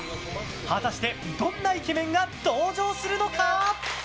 果たしてどんなイケメンが登場するのか？